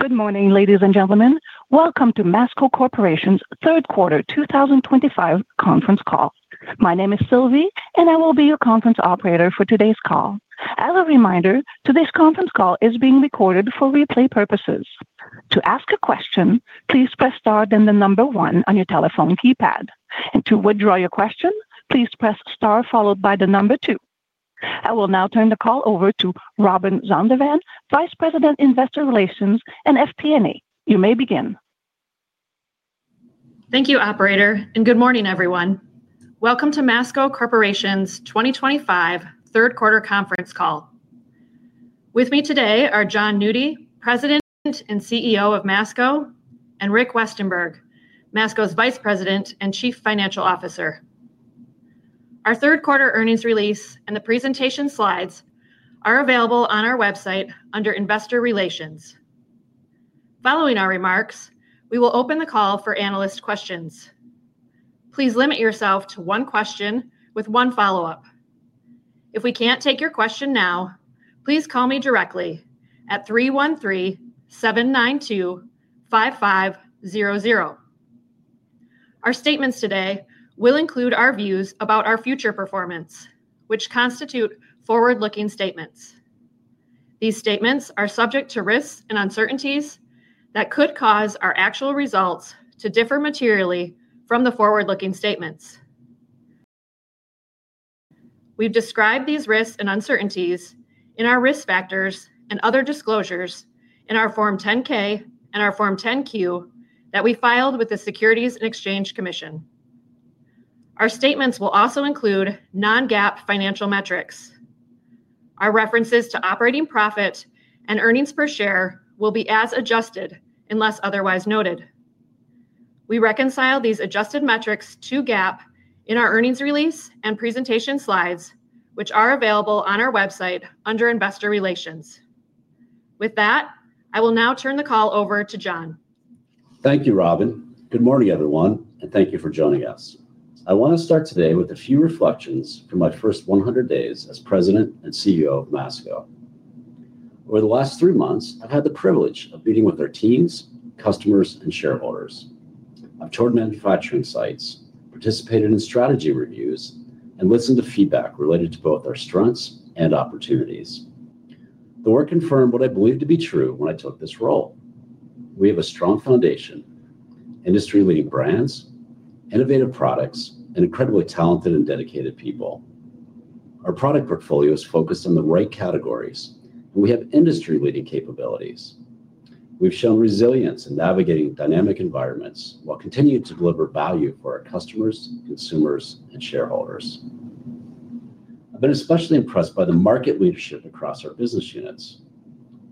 Good morning, ladies and gentlemen. Welcome to Masco Corporation's third quarter 2025 conference call. My name is Sylvie, and I will be your conference operator for today's call. As a reminder, today's conference call is being recorded for replay purposes. To ask a question, please press star then the number one on your telephone keypad. To withdraw your question, please press star followed by the number two. I will now turn the call over to Robin Zondervan, Vice President, Investor Relations and FP&A. You may begin. Thank you, Operator, and good morning, everyone. Welcome to Masco Corporation's 2025 third quarter conference call. With me today are Jon Nudi, President and CEO of Masco, and Rick Westenberg, Masco's Vice President and Chief Financial Officer. Our third quarter earnings release and the presentation slides are available on our website under Investor Relations. Following our remarks, we will open the call for analyst questions. Please limit yourself to one question with one follow-up. If we can't take your question now, please call me directly at 313-792-5500. Our statements today will include our views about our future performance, which constitute forward-looking statements. These statements are subject to risks and uncertainties that could cause our actual results to differ materially from the forward-looking statements. We've described these risks and uncertainties in our risk factors and other disclosures in our Form 10-K and our Form 10-Q that we filed with the Securities and Exchange Commission. Our statements will also include non-GAAP financial metrics. Our references to operating profit and earnings per share will be as adjusted unless otherwise noted. We reconcile these adjusted metrics to GAAP in our earnings release and presentation slides, which are available on our website under Investor Relations. With that, I will now turn the call over to Jon. Thank you, Robin. Good morning, everyone, and thank you for joining us. I want to start today with a few reflections from my first 100 days as President and CEO of Masco. Over the last three months, I've had the privilege of meeting with our teams, customers, and shareholders. I've toured manufacturing sites, participated in strategy reviews, and listened to feedback related to both our strengths and opportunities. The work confirmed what I believed to be true when I took this role. We have a strong foundation, industry-leading brands, innovative products, and incredibly talented and dedicated people. Our product portfolio is focused on the right categories, and we have industry-leading capabilities. We've shown resilience in navigating dynamic environments while continuing to deliver value for our customers, consumers, and shareholders. I've been especially impressed by the market leadership across our business units.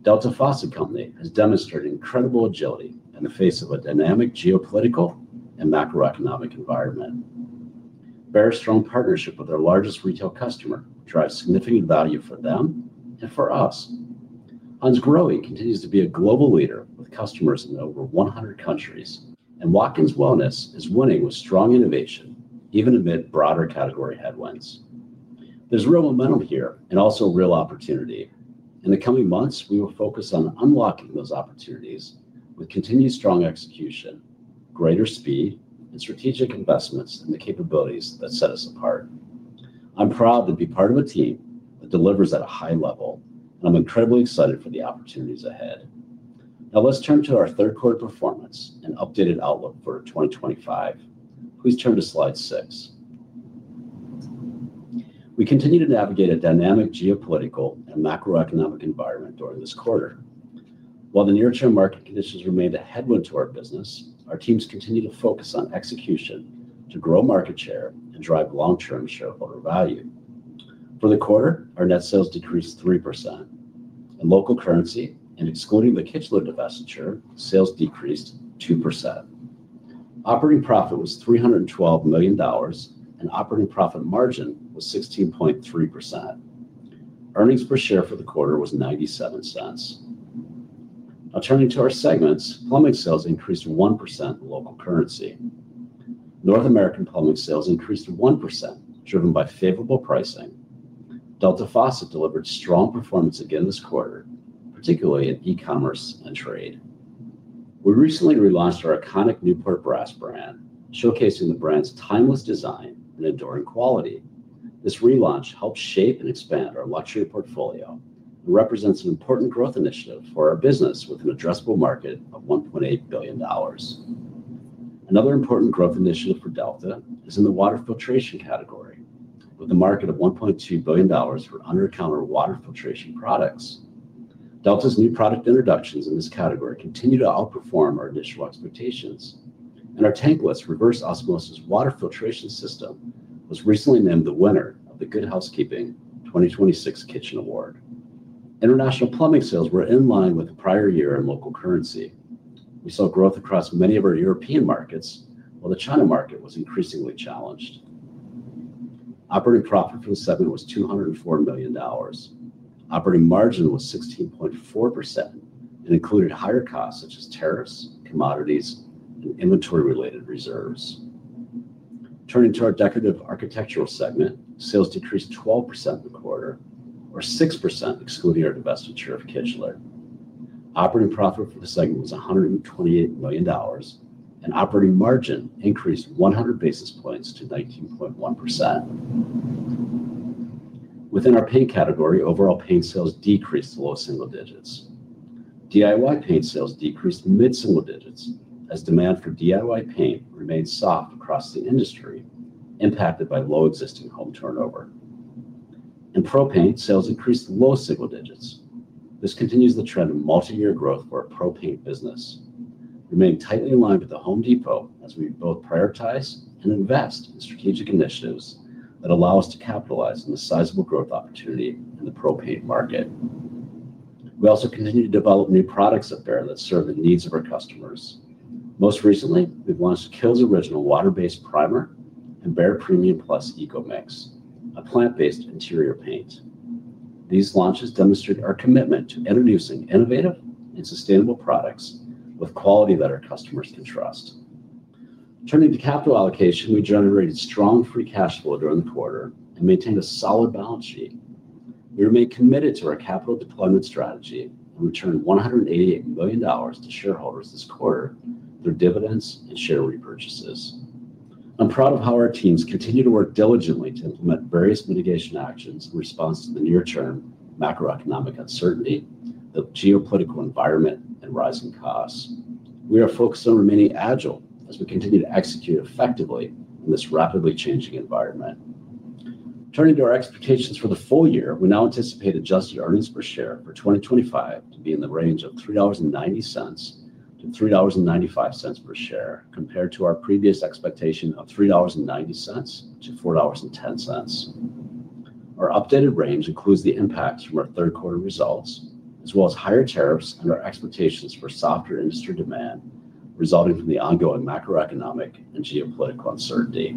Delta Faucet Company has demonstrated incredible agility in the face of a dynamic geopolitical and macroeconomic environment. Their strong partnership with our largest retail customer drives significant value for them and for us. Hansgrohe continues to be a global leader with customers in over 100 countries, and Watkins Wellness is winning with strong innovation, even amid broader category headwinds. There's real momentum here and also real opportunity. In the coming months, we will focus on unlocking those opportunities with continued strong execution, greater speed, and strategic investments in the capabilities that set us apart. I'm proud to be part of a team that delivers at a high level, and I'm incredibly excited for the opportunities ahead. Now let's turn to our third quarter performance and updated outlook for 2025. Please turn to slide six. We continue to navigate a dynamic geopolitical and macroeconomic environment during this quarter. While the near-term market conditions remain a headwind to our business, our teams continue to focus on execution to grow market share and drive long-term shareholder value. For the quarter, our net sales decreased 3%. In local currency and excluding the Kichler divestiture, sales decreased 2%. Operating profit was $312 million, and operating profit margin was 16.3%. Earnings per share for the quarter was $0.97. Now turning to our segments, plumbing sales increased 1% in local currency. North American plumbing sales increased 1%, driven by favorable pricing. Delta Faucet delivered strong performance again this quarter, particularly in e-commerce and trade. We recently relaunched our iconic Newport Brass brand, showcasing the brand's timeless design and enduring quality. This relaunch helped shape and expand our luxury portfolio and represents an important growth initiative for our business with an addressable market of $1.8 billion. Another important growth initiative for Delta is in the water filtration category, with a market of $1.2 billion for under-counter water filtration products. Delta's new product introductions in this category continue to outperform our initial expectations, and our tankless reverse osmosis water filtration system was recently named the winner of the Good Housekeeping 2026 Kitchen Award. International plumbing sales were in line with the prior year in local currency. We saw growth across many of our European markets, while the China market was increasingly challenged. Operating profit for the segment was $204 million. Operating margin was 16.4% and included higher costs such as tariffs, commodity costs, and inventory-related reserves. Turning to our Decorative Architectural segment, sales decreased 12% in the quarter, or 6% excluding our divestiture of Kichler. Operating profit for the segment was $128 million, and operating margin increased 100 basis points to 19.1%. Within our paint category, overall paint sales decreased to low single digits. DIY paint sales decreased mid-single digits as demand for DIY paint remains soft across the industry, impacted by low existing home turnover. In pro-paint, sales increased to low single digits. This continues the trend of multi-year growth for our pro-paint business, remaining tightly aligned with The Home Depot as we both prioritize and invest in strategic initiatives that allow us to capitalize on the sizable growth opportunity in the pro-paint market. We also continue to develop new products at Behr that serve the needs of our customers. Most recently, we've launched Kilz Original water-based primer and Behr Premium Plus EcoMix, a plant-based interior paint. These launches demonstrate our commitment to introducing innovative and sustainable products with quality that our customers can trust. Turning to capital allocation, we generated strong free cash flow during the quarter and maintained a solid balance sheet. We remain committed to our capital deployment strategy and returned $188 million to shareholders this quarter through dividends and share repurchases. I'm proud of how our teams continue to work diligently to implement various mitigation actions in response to the near-term macroeconomic uncertainty, the geopolitical environment, and rising costs. We are focused on remaining agile as we continue to execute effectively in this rapidly changing environment. Turning to our expectations for the full year, we now anticipate adjusted earnings per share for 2025 to be in the range of $3.90-$3.95 per share, compared to our previous expectation of $3.90-$4.10. Our updated range includes the impacts from our third quarter results, as well as higher tariffs and our expectations for softer industry demand resulting from the ongoing macroeconomic and geopolitical uncertainty.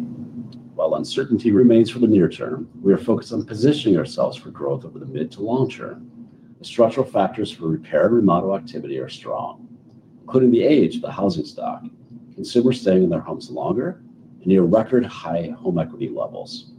While uncertainty remains for the near term, we are focused on positioning ourselves for growth over the mid to long term. The structural factors for repair and remodel activity are strong, including the age of the housing stock, consumers staying in their homes longer, and near record high home equity levels.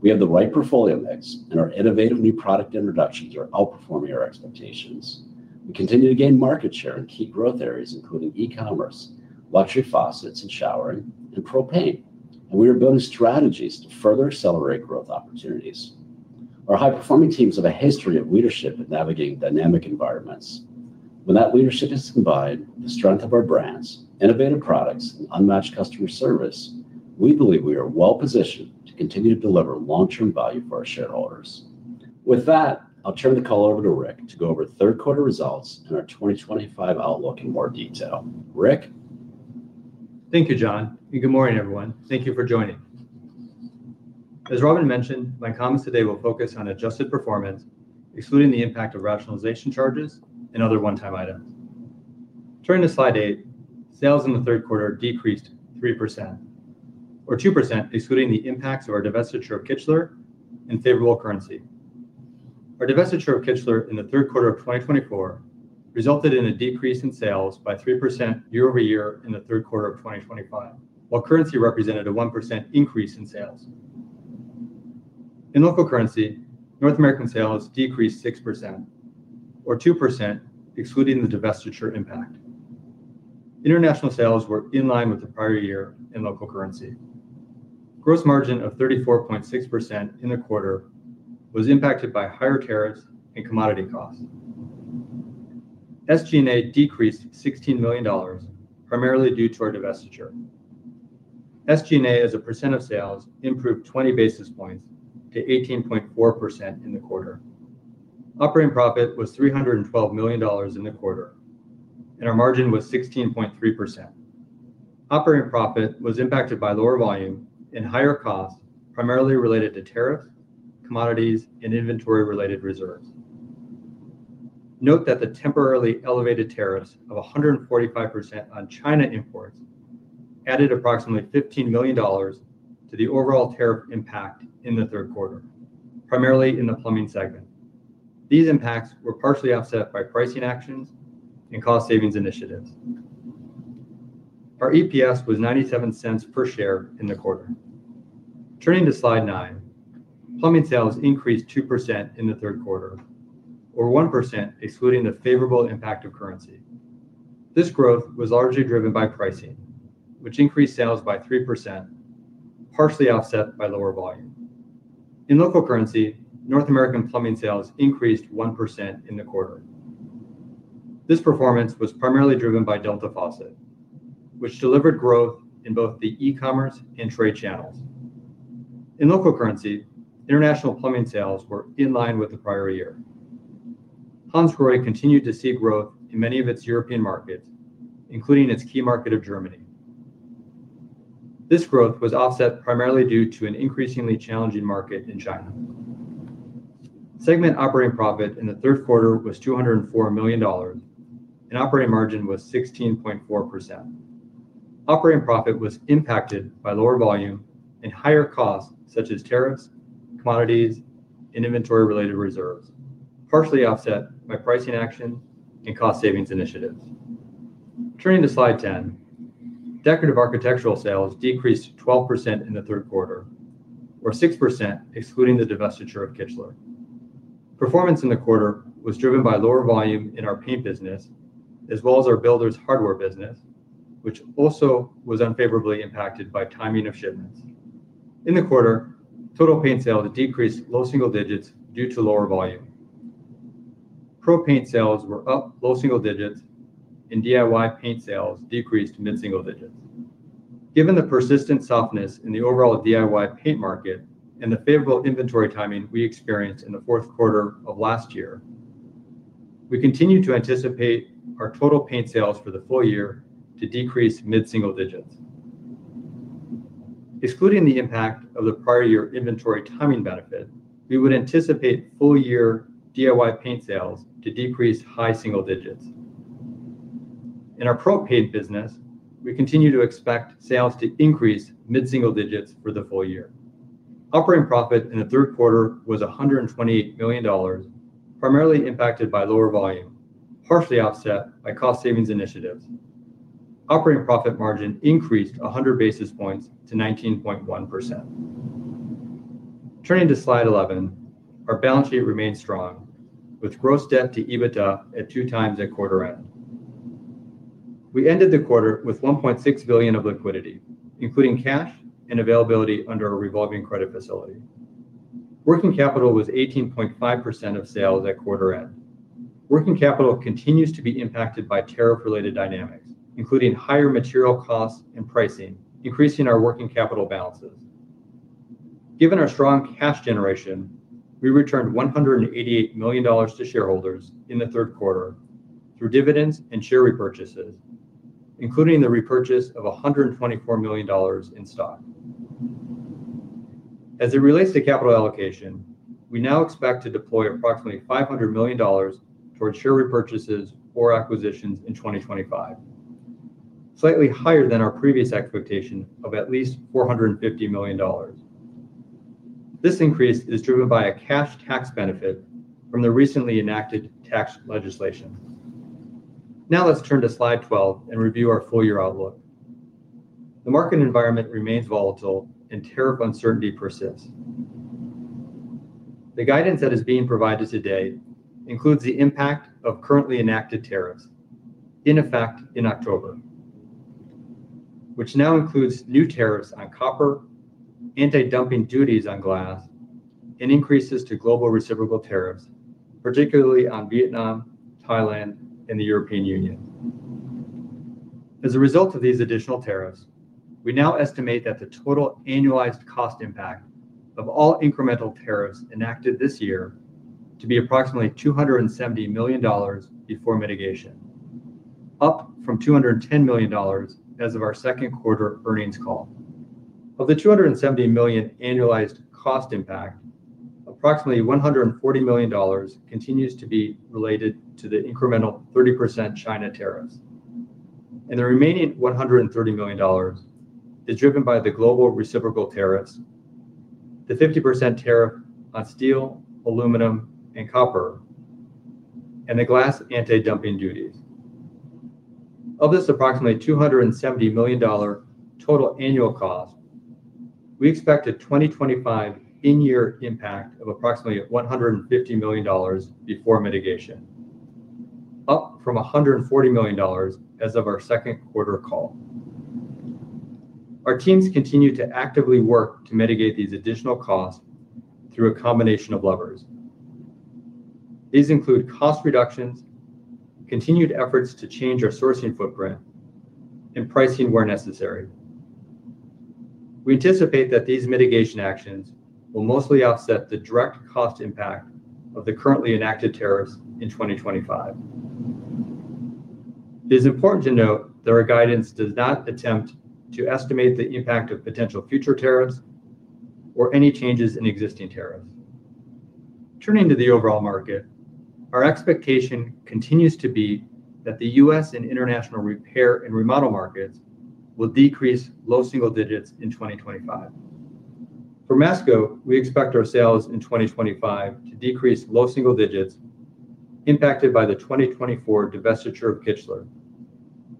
We have the right portfolio mix, and our innovative new product introductions are outperforming our expectations. We continue to gain market share in key growth areas, including e-commerce, luxury faucets and showering, and pro-paint, and we are building strategies to further accelerate growth opportunities. Our high-performing teams have a history of leadership in navigating dynamic environments. When that leadership is combined with the strength of our brands, innovative products, and unmatched customer service, we believe we are well-positioned to continue to deliver long-term value for our shareholders. With that, I'll turn the call over to Rick to go over third quarter results and our 2025 outlook in more detail. Rick? Thank you, Jon, and good morning, everyone. Thank you for joining. As Robin mentioned, my comments today will focus on adjusted performance, excluding the impact of rationalization charges and other one-time items. Turning to slide eight, sales in the third quarter decreased 3%, or 2% excluding the impacts of our divestiture of Kichler and favorable currency. Our divestiture of Kichler in the third quarter of 2024 resulted in a decrease in sales by 3% year-over year in the third quarter of 2025, while currency represented a 1% increase in sales. In local currency, North American sales decreased 6%, or 2% excluding the divestiture impact. International sales were in line with the prior year in local currency. Gross margin of 34.6% in the quarter was impacted by higher tariffs and commodity costs. SG&A decreased $16 million, primarily due to our divestiture. SG&A, as a percent of sales, improved 20 basis points to 18.4% in the quarter. Operating profit was $312 million in the quarter, and our margin was 16.3%. Operating profit was impacted by lower volume and higher costs, primarily related to tariffs, commodities, and inventory-related reserves. Note that the temporarily elevated tariffs of 145% on China imports added approximately $15 million to the overall tariff impact in the third quarter, primarily in the plumbing segment. These impacts were partially offset by pricing actions and cost savings initiatives. Our EPS was $0.97 per share in the quarter. Turning to slide nine, plumbing sales increased 2% in the third quarter, or 1% excluding the favorable impact of currency. This growth was largely driven by pricing, which increased sales by 3%, partially offset by lower volume. In local currency, North American plumbing sales increased 1% in the quarter. This performance was primarily driven by Delta Faucet, which delivered growth in both the e-commerce and trade channels. In local currency, international plumbing sales were in line with the prior year. Hansgrohe continued to see growth in many of its European markets, including its key market of Germany. This growth was offset primarily due to an increasingly challenging market in China. Segment operating profit in the third quarter was $204 million, and operating margin was 16.4%. Operating profit was impacted by lower volume and higher costs such as tariffs, commodities, and inventory-related reserves, partially offset by pricing actions and cost savings initiatives. Turning to slide 10, decorative architectural sales decreased 12% in the third quarter, or 6% excluding the divestiture of Kichler. Performance in the quarter was driven by lower volume in our paint business, as well as our builders' hardware business, which also was unfavorably impacted by timing of shipments. In the quarter, total paint sales decreased low single digits due to lower volume. Pro-paint sales were up low single digits, and DIY paint sales decreased mid-single digits. Given the persistent softness in the overall DIY paint market and the favorable inventory timing we experienced in the fourth quarter of last year, we continue to anticipate our total paint sales for the full year to decrease mid-single digits. Excluding the impact of the prior year inventory timing benefit, we would anticipate full-year DIY paint sales to decrease high single digits. In our pro-paint business, we continue to expect sales to increase mid-single digits for the full year. Operating profit in the third quarter was $128 million, primarily impacted by lower volume, partially offset by cost savings initiatives. Operating profit margin increased 100 ba sis points to 19.1%. Turning to slide 11, our balance sheet remains strong, with gross debt to EBITDA at 2x at quarter end. We ended the quarter with $1.6 billion of liquidity, including cash and availability under a revolving credit facility. Working capital was 18.5% of sales at quarter end. Working capital continues to be impacted by tariff-related dynamics, including higher material costs and pricing, increasing our working capital balances. Given our strong cash generation, we returned $188 million to shareholders in the third quarter through dividends and share repurchases, including the repurchase of $124 million in stock. As it relates to capital allocation, we now expect to deploy approximately $500 million towards share repurchases or acquisitions in 2025, slightly higher than our previous expectation of at least $450 million. This increase is driven by a cash tax benefit from the recently enacted tax legislation. Now let's turn to slide 12 and review our full-year outlook. The market environment remains volatile, and tariff uncertainty persists. The guidance that is being provided today includes the impact of currently enacted tariffs in effect in October, which now includes new tariffs on copper, anti-dumping duties on glass, and increases to global reciprocal tariffs, particularly on Vietnam, Thailand, and the European Union. As a result of these additional tariffs, we now estimate that the total annualized cost impact of all incremental tariffs enacted this year to be approximately $270 million before mitigation, up from $210 million as of our second quarter earnings call. Of the $270 million annualized cost impact, approximately $140 million continues to be related to the incremental 30% China tariffs, and the remaining $130 million is driven by the global reciprocal tariffs, the 50% tariff on steel, aluminum, and copper, and the glass anti-dumping duties. Of this approximately $270 million total annual cost, we expect a 2025 in-year impact of approximately $150 million before mitigation, up from $140 million as of our second quarter call. Our teams continue to actively work to mitigate these additional costs through a combination of levers. These include cost reductions, continued efforts to change our sourcing footprint, and pricing where necessary. We anticipate that these mitigation actions will mostly offset the direct cost impact of the currently enacted tariffs in 2025. It is important to note that our guidance does not attempt to estimate the impact of potential future tariffs or any changes in existing tariffs. Turning to the overall market, our expectation continues to be that the U.S. and international repair and remodel markets will decrease low single digits in 2025. For Masco, we expect our sales in 2025 to decrease low single digits impacted by the 2024 divestiture of Kichler,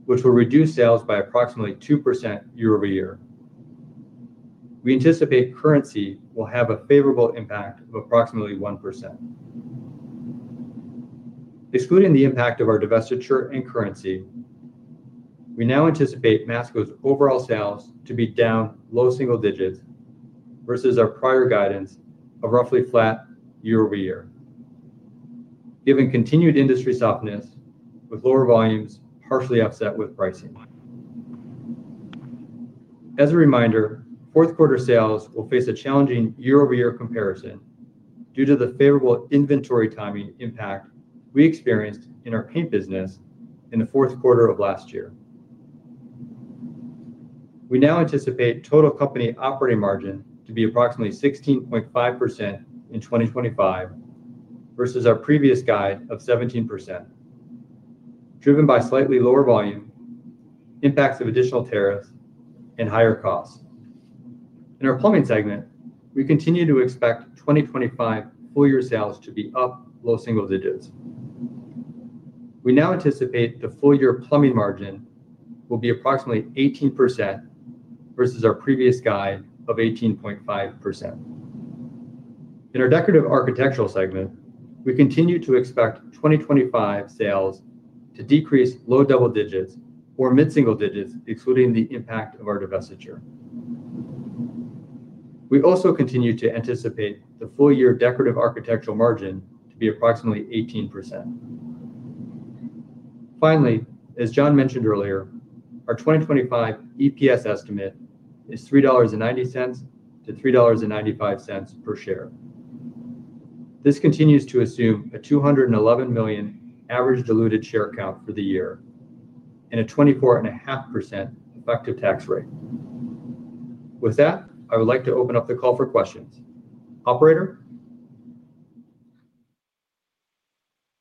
which will reduce sales by approximately 2% year-over year. We anticipate currency will have a favorable impact of approximately 1%. Excluding the impact of our divestiture and currency, we now anticipate Masco's overall sales to be down low single digits versus our prior guidance of roughly flat year-over-year, given continued industry softness with lower volumes partially offset with pricing. As a reminder, fourth quarter sales will face a challenging year-over-year comparison due to the favorable inventory timing impact we experienced in our paint business in the fourth quarter of last year. We now anticipate total company operating margin to be approximately 16.5% in 2025 versus our previous guide of 17%, driven by slightly lower volume, impacts of additional tariffs, and higher costs. In our plumbing segment, we continue to expect 2025 full-year sales to be up low single digits. We now anticipate the full-year plumbing margin will be approximately 18% versus our previous guide of 18.5%. In our decorative architectural segment, we continue to expect 2025 sales to decrease low double digits or mid-single digits, excluding the impact of our divestiture. We also continue to anticipate the full-year decorative architectural margin to be approximately 18%. Finally, as Jon mentioned earlier, our 2025 EPS estimate is $3.90-$3.95 per share. This continues to assume a $211 million average diluted share count for the year and a 24.5% effective tax rate. With that, I would like to open up the call for questions. Operator?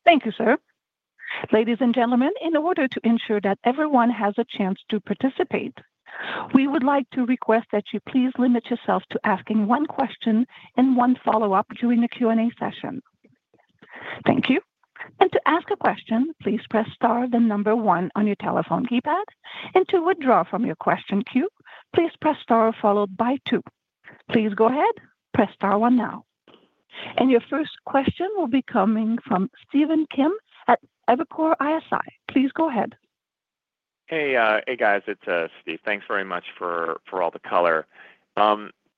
Thank you, sir. Ladies and gentlemen, in order to ensure that everyone has a chance to participate, we would like to request that you please limit yourself to asking one question and one follow-up during the Q&A session. Thank you. To ask a question, please press star the number one on your telephone keypad. To withdraw from your question queue, please press star followed by two. Please go ahead, press star one now. Your first question will be coming from Stephen Kim at Evercore ISI. Please go ahead. Hey, hey guys, it's Steve. Thanks very much for all the color.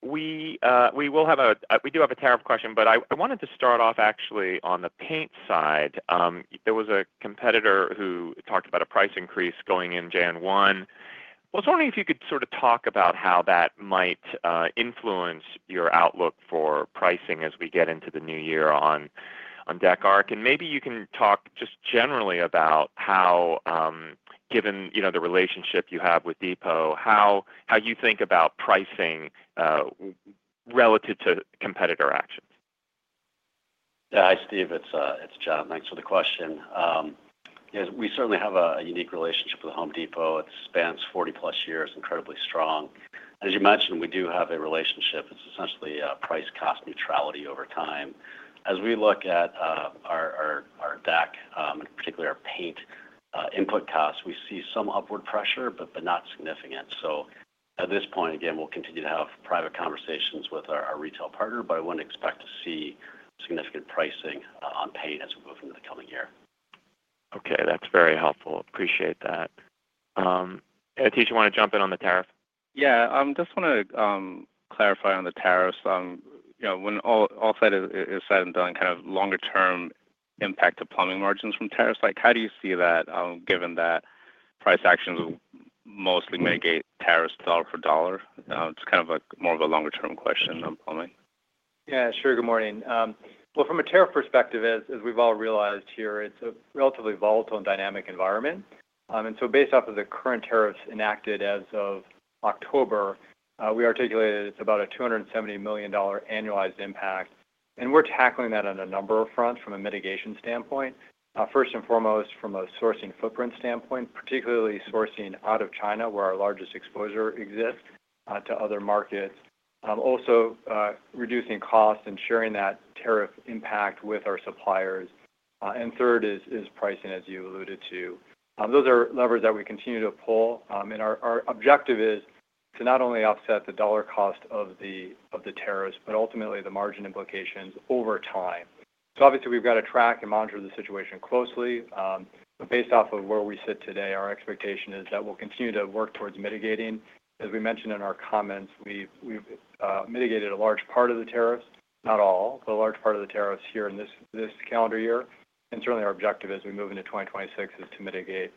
We do have a tariff question, but I wanted to start off actually on the paint side. There was a competitor who talked about a price increase going in January 1. I was wondering if you could sort of talk about how that might influence your outlook for pricing as we get into the new year on Deck Arc. Maybe you can talk just generally about how, given you know the relationship you have with The Home Depot, how you think about pricing relative to competitor actions. Yeah, hi, Steve. It's Jon. Thanks for the question. We certainly have a unique relationship with The Home Depot. It spans 40+ years, incredibly strong. As you mentioned, we do have a relationship. It's essentially price-cost neutrality over time. As we look at our deck, and particularly our paint input costs, we see some upward pressure, but not significant. At this point, we'll continue to have private conversations with our retail partner, but I wouldn't expect to see significant pricing on paint as we move into the coming year. Okay, that's very helpful. Appreciate that. Yeah, Rick, want to jump in on the tariff? Yeah, I just want to clarify on the tariffs. You know, when all is said and done, kind of longer-term impact to plumbing margins from tariffs, like how do you see that given that price actions will mostly mitigate tariffs dollar for dollar? It's kind of a more of a longer-term question on plumbing. Good morning. From a tariff perspective, as we've all realized here, it's a relatively volatile and dynamic environment. Based off of the current tariffs enacted as of October, we articulated it's about a $270 million annualized impact. We're tackling that on a number of fronts from a mitigation standpoint. First and foremost, from a sourcing footprint standpoint, particularly sourcing out of China, where our largest exposure exists to other markets. Also, reducing costs and sharing that tariff impact with our suppliers. Third is pricing, as you alluded to. Those are levers that we continue to pull. Our objective is to not only offset the dollar cost of the tariffs, but ultimately the margin implications over time. Obviously, we've got to track and monitor the situation closely. Based off of where we sit today, our expectation is that we'll continue to work towards mitigating. As we mentioned in our comments, we've mitigated a large part of the tariffs, not all, but a large part of the tariffs here in this calendar year. Certainly, our objective as we move into 2026 is to mitigate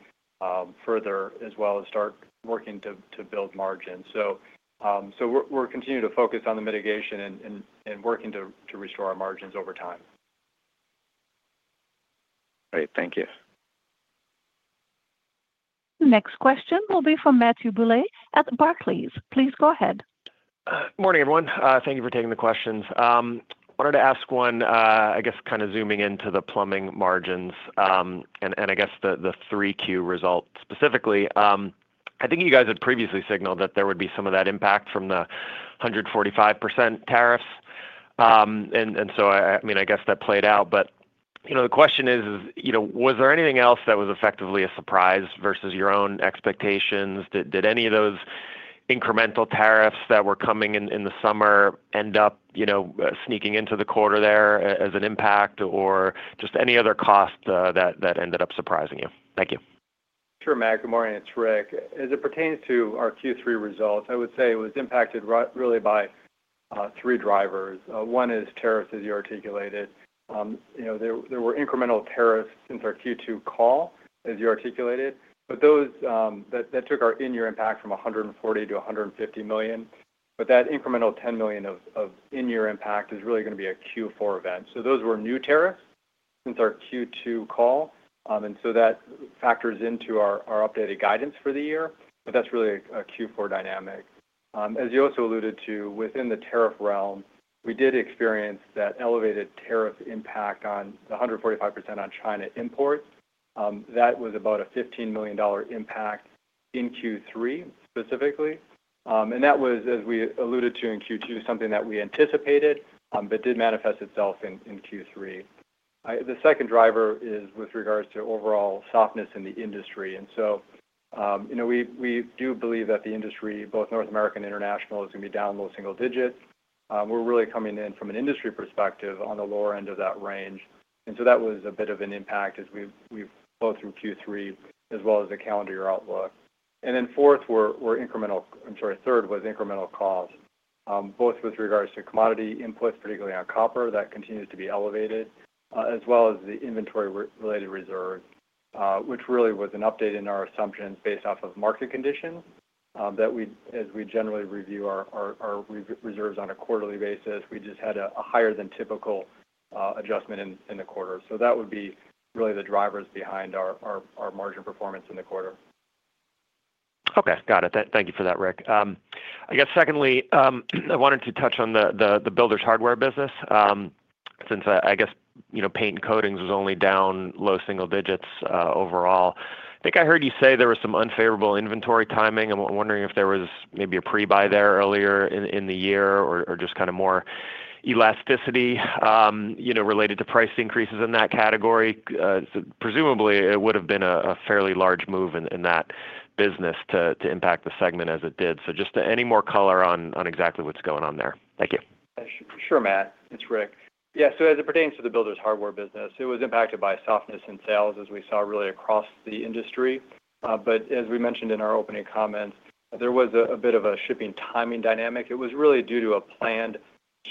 further as well as start working to build margins. We're continuing to focus on the mitigation and working to restore our margins over time. Great, thank you. Next question will be from Matthew Bouley at Barclays. Please go ahead. Morning, everyone. Thank you for taking the questions. I wanted to ask one, I guess kind of zooming into the plumbing margins, and I guess the 3Q result specifically. I think you guys had previously signaled that there would be some of that impact from the 145% tariffs. I mean, I guess that played out. The question is, was there anything else that was effectively a surprise versus your own expectations? Did any of those incremental tariffs that were coming in in the summer end up sneaking into the quarter there as an impact, or just any other cost that ended up surprising you? Thank you. Sure, Matt. Good morning. It's Rick. As it pertains to our Q3 results, I would say it was impacted really by three drivers. One is tariffs, as you articulated. You know, there were incremental tariffs since our Q2 call, as you articulated. Those took our in-year impact from $140 million-$150 million. That incremental $10 million of in-year impact is really going to be a Q4 event. Those were new tariffs since our Q2 call, and that factors into our updated guidance for the year. That's really a Q4 dynamic. As you also alluded to, within the tariff realm, we did experience that elevated tariff impact on the 145% on China imports. That was about a $15 million impact in Q3 specifically. That was, as we alluded to in Q2, something that we anticipated, but did manifest itself in Q3. The second driver is with regards to overall softness in the industry. We do believe that the industry, both North American and international, is going to be down low single digits. We're really coming in from an industry perspective on the lower end of that range. That was a bit of an impact as we flow through Q3 as well as the calendar year outlook. Third was incremental costs, both with regards to commodity inputs, particularly on copper, that continues to be elevated, as well as the inventory-related reserves, which really was an update in our assumptions based off of market conditions. As we generally review our reserves on a quarterly basis, we just had a higher than typical adjustment in the quarter. That would be really the drivers behind our margin performance in the quarter. Okay, got it. Thank you for that, Rick. I guess secondly, I wanted to touch on the builders' hardware business. Since I guess, you know, paint and coatings was only down low single digits overall. I think I heard you say there was some unfavorable inventory timing. I'm wondering if there was maybe a pre-buy there earlier in the year or just kind of more elasticity, you know, related to price increases in that category. Presumably, it would have been a fairly large move in that business to impact the segment as it did. Just any more color on exactly what's going on there. Thank you. Sure, Matt. It's Rick. Yeah, as it pertains to the builders' hardware business, it was impacted by softness in sales, as we saw really across the industry. As we mentioned in our opening comments, there was a bit of a shipping timing dynamic. It was really due to a planned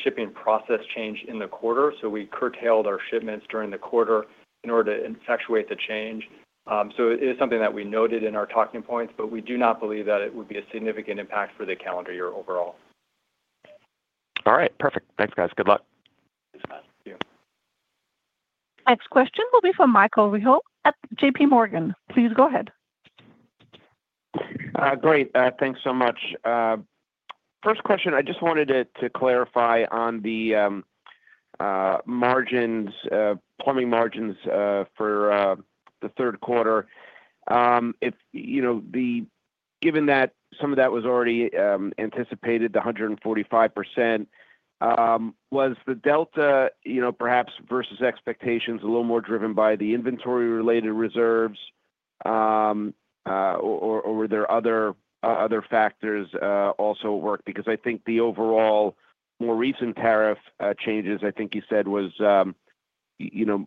shipping process change in the quarter. We curtailed our shipments during the quarter in order to effectuate the change. It is something that we noted in our talking points, but we do not believe that it would be a significant impact for the calendar year overall. All right, perfect. Thanks, guys. Good luck. Thanks, guys. Thank you. Next question will be from Michael Rehaut at JPMorgan. Please go ahead. Great. Thanks so much. First question, I just wanted to clarify on the margins, plumbing margins for the third quarter. Given that some of that was already anticipated, the 145%, was the delta, perhaps versus expectations a little more driven by the inventory-related reserves? Or were there other factors also at work? I think the overall more recent tariff changes, I think you said, was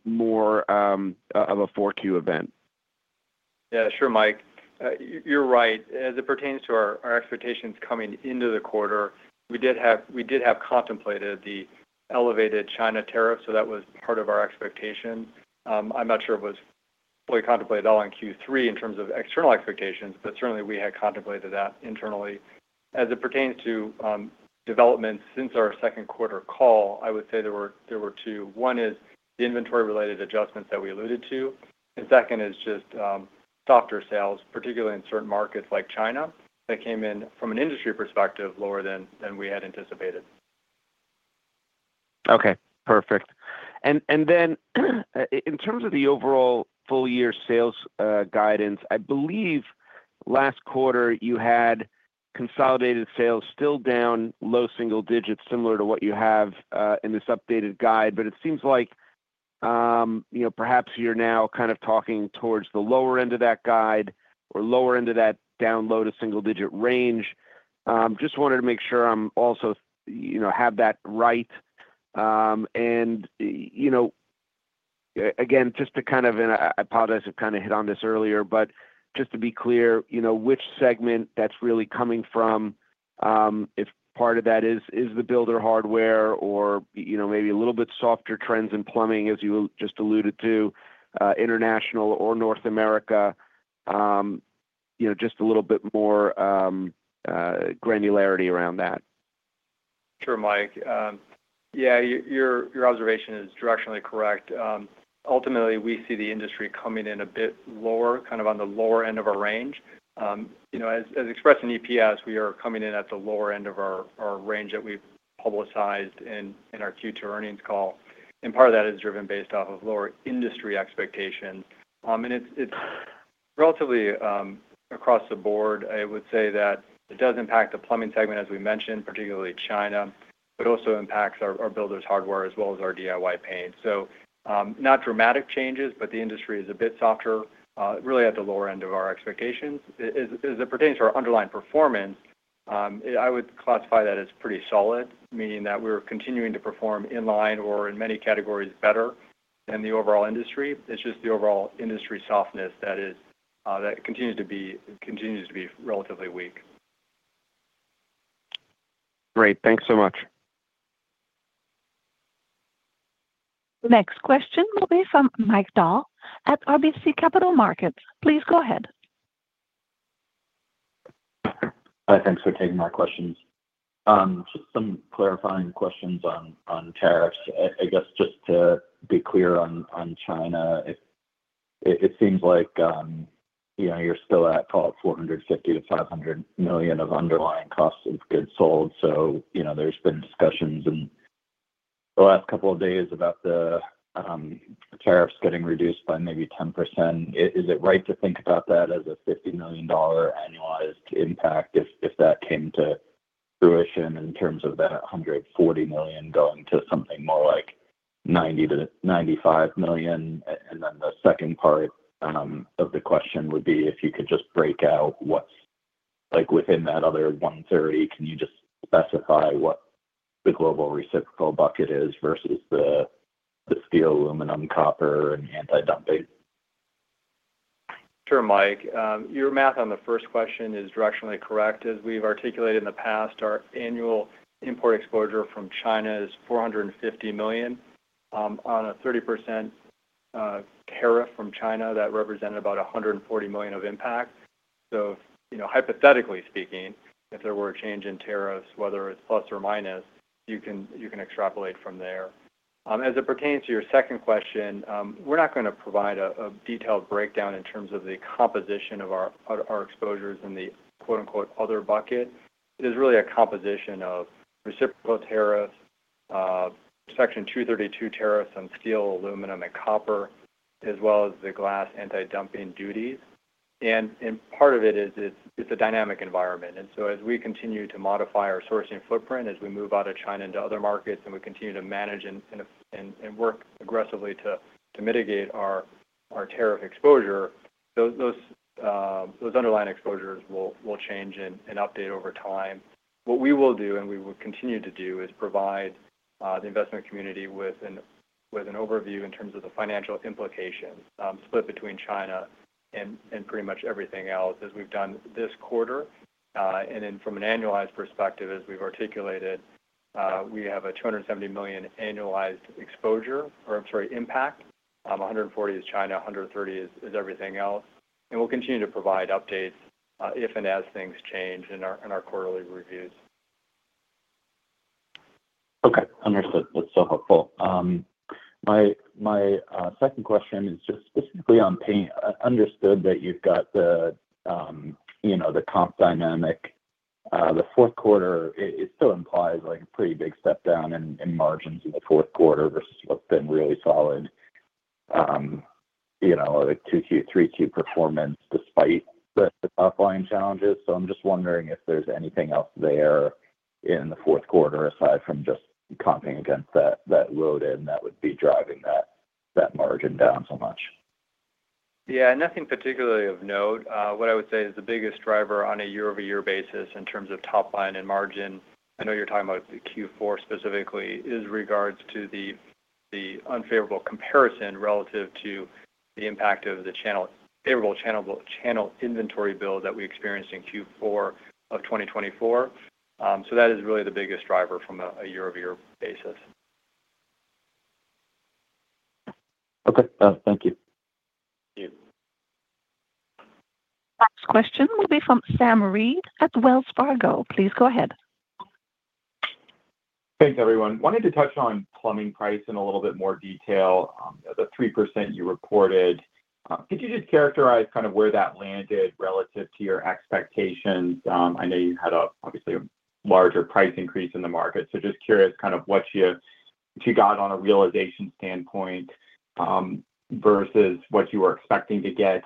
more of a 4Q event. Yeah, sure, Mike. You're right. As it pertains to our expectations coming into the quarter, we did have contemplated the elevated China tariff. That was part of our expectation. I'm not sure it was fully contemplated all on Q3 in terms of external expectations, but certainly, we had contemplated that internally. As it pertains to developments since our second quarter call, I would say there were two. One is the inventory-related adjustments that we alluded to. Second is just stocked-up sales, particularly in certain markets like China, that came in from an industry perspective lower than we had anticipated. Okay, perfect. In terms of the overall full-year sales guidance, I believe last quarter you had consolidated sales still down low single digits, similar to what you have in this updated guide. It seems like, you know, perhaps you're now kind of talking towards the lower end of that guide or lower end of that down low to single digit range. Just wanted to make sure I'm also, you know, have that right. Again, just to kind of, and I apologize, I've kind of hit on this earlier, but just to be clear, you know, which segment that's really coming from, if part of that is the builder hardware or, you know, maybe a little bit softer trends in plumbing, as you just alluded to, international or North America, you know, just a little bit more granularity around that. Sure, Mike. Yeah, your observation is directionally correct. Ultimately, we see the industry coming in a bit lower, kind of on the lower end of a range. You know, as expressed in EPS, we are coming in at the lower end of our range that we've publicized in our Q2 earnings call. Part of that is driven based off of lower industry expectations, and it's relatively across the board. I would say that it does impact the plumbing segment, as we mentioned, particularly China, but also impacts our builders' hardware as well as our DIY paint. Not dramatic changes, but the industry is a bit softer, really at the lower end of our expectations. As it pertains to our underlying performance, I would classify that as pretty solid, meaning that we're continuing to perform in line or in many categories better than the overall industry.It's just the overall industry softness that continues to be relatively weak. Great, thanks so much. The next question will be from Mike Dahl at RBC Capital Markets. Please go ahead. Thanks for taking our questions. Just some clarifying questions on tariffs. I guess just to be clear on China, if it seems like, you know, you're still at, call it, $450 million-$500 million of underlying cost of goods sold. There's been discussions in the last couple of days about the tariffs getting reduced by maybe 10%. Is it right to think about that as a $50 million annualized impact if that came to fruition in terms of that $140 million going to something more like $90 million-$95 million? The second part of the question would be if you could just break out what's like within that other $130 million, can you just specify what the global reciprocal bucket is versus the steel, aluminum, copper, and anti-dumping? Sure, Mike. Your math on the first question is directionally correct. As we've articulated in the past, our annual import exposure from China is $450 million. On a 30% tariff from China, that represented about $140 million of impact. Hypothetically speaking, if there were a change in tariffs, whether it's plus or minus, you can extrapolate from there. As it pertains to your second question, we're not going to provide a detailed breakdown in terms of the composition of our exposures in the quote-unquote "other bucket." It is really a composition of reciprocal tariffs, Section 232 tariffs on steel, aluminum, and copper, as well as the glass anti-dumping duties. Part of it is it's a dynamic environment. As we continue to modify our sourcing footprint, as we move out of China into other markets, and we continue to manage and work aggressively to mitigate our tariff exposure, those underlying exposures will change and update over time. What we will do and we will continue to do is provide the investment community with an overview in terms of the financial implications, split between China and pretty much everything else, as we've done this quarter. From an annualized perspective, as we've articulated, we have a $270 million annualized impact. $140 million is China, $130 million is everything else. We'll continue to provide updates, if and as things change in our quarterly reviews. Okay, understood. That's so helpful. My second question is just specifically on paint. Understood that you've got the, you know, the comp dynamic. The fourth quarter, it still implies like a pretty big step down in margins in the fourth quarter versus what's been really solid, you know, like 3Q performance despite the top-line challenges. I'm just wondering if there's anything else there in the fourth quarter aside from just comping against that load-in that would be driving that margin down so much. Yeah, nothing particularly of note. What I would say is the biggest driver on a year-over-year basis in terms of top-line and margin, I know you're talking about the Q4 specifically, is the unfavorable comparison relative to the impact of the favorable channel inventory build that we experienced in Q4 of 2024. That is really the biggest driver from a year-over-year basis. Okay, thank you. Thank you. Next question will be from Sam Reid at Wells Fargo. Please go ahead. Thanks, everyone. Wanted to touch on plumbing price in a little bit more detail. You know, the 3% you reported. Could you just characterize kind of where that landed relative to your expectations? I know you had obviously a larger price increase in the market. Just curious kind of what you got on a realization standpoint, versus what you were expecting to get.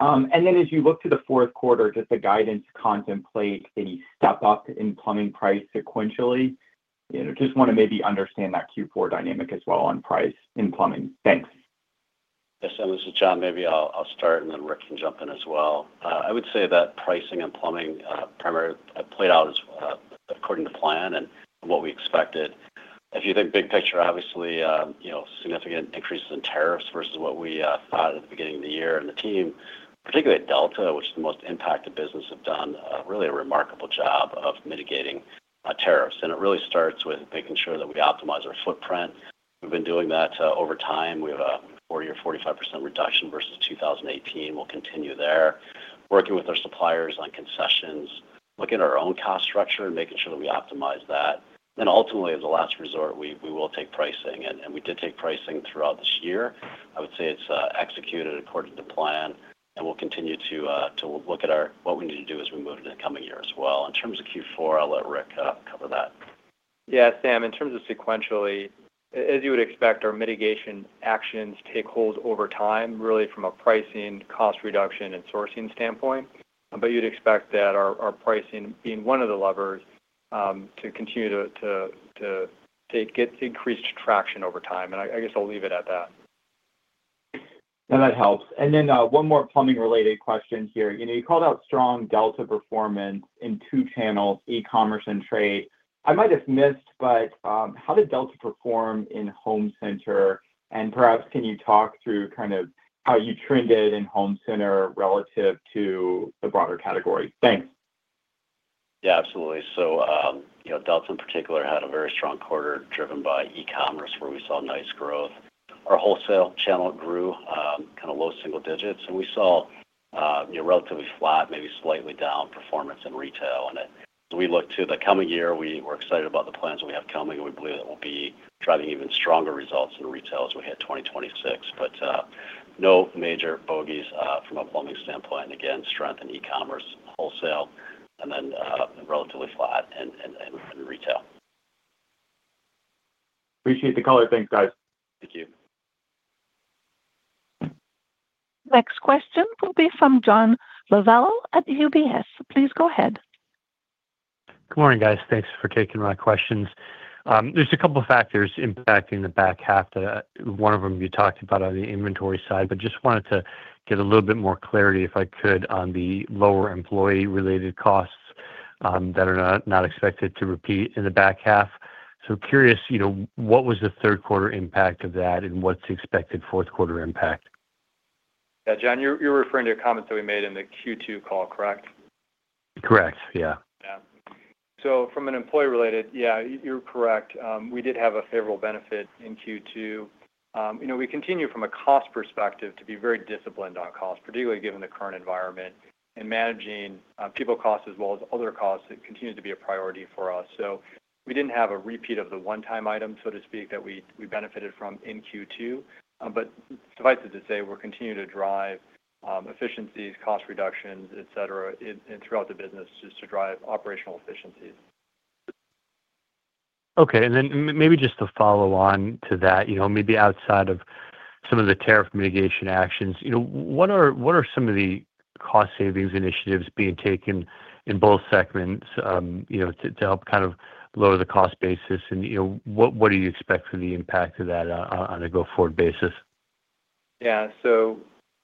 As you look to the fourth quarter, does the guidance contemplate any step up in plumbing price sequentially? Just want to maybe understand that Q4 dynamic as well on price in plumbing. Thanks. Yes, this is Jon. Maybe I'll start and then Rick can jump in as well. I would say that pricing in plumbing primarily played out as according to plan and what we expected. If you think big picture, obviously, you know, significant increases in tariffs versus what we thought at the beginning of the year. The team, particularly at Delta Faucet, which is the most impacted business, have done really a remarkable job of mitigating tariffs. It really starts with making sure that we optimize our footprint. We've been doing that over time. We have a four-year 45% reduction versus 2018. We'll continue there, working with our suppliers on concessions, looking at our own cost structure and making sure that we optimize that. Ultimately, as a last resort, we will take pricing. We did take pricing throughout this year. I would say it's executed according to plan. We'll continue to look at what we need to do as we move into the coming year as well. In terms of Q4, I'll let Rick cover that. Yeah, Sam, in terms of sequentially, as you would expect, our mitigation actions take hold over time, really from a pricing, cost reduction, and sourcing standpoint. You'd expect that our pricing being one of the levers, to continue to get increased traction over time. I guess I'll leave it at that. Yeah, that helps. One more plumbing-related question here. You called out strong Delta performance in two channels, e-commerce and trade. I might have missed, but how did Delta perform in home center? Perhaps can you talk through kind of how you trended in home center relative to the broader category? Thanks. Absolutely. Delta Faucet in particular had a very strong quarter driven by e-commerce, where we saw nice growth. Our wholesale channel grew kind of low single digits, and we saw relatively flat, maybe slightly down performance in retail. As we look to the coming year, we're excited about the plans we have coming, and we believe that we'll be driving even stronger results in retail as we hit 2026. No major bogeys from a plumbing standpoint. Again, strength in e-commerce, wholesale, and then relatively flat in retail. Appreciate the color. Thanks, guys. Thank you. Next question will be from John Lovallo at UBS. Please go ahead. Good morning, guys. Thanks for taking my questions. There's a couple of factors impacting the back half. One of them you talked about on the inventory side, but just wanted to get a little bit more clarity, if I could, on the lower employee-related costs that are not expected to repeat in the back half. Curious, you know, what was the third quarter impact of that and what's the expected fourth quarter impact? Yeah, John, you're referring to comments that we made in the Q2 call, correct? Correct, yeah. Yeah. From an employee-related, yeah, you're correct. We did have a favorable benefit in Q2. You know, we continue from a cost perspective to be very disciplined on costs, particularly given the current environment. Managing people costs as well as other costs continues to be a priority for us. We didn't have a repeat of the one-time item, so to speak, that we benefited from in Q2. Suffice it to say, we're continuing to drive efficiencies, cost reductions, etc., throughout the business just to drive operational efficiencies. Okay. Maybe just to follow on to that, maybe outside of some of the tariff mitigation actions, what are some of the cost savings initiatives being taken in both segments to help kind of lower the cost basis? What do you expect for the impact of that on a go-forward basis?